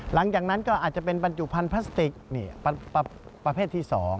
หลังจากนั้นก็อาจจะเป็นบรรจุภัณฑ์พลาสติกประเภทที่๒